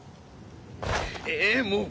ええもう！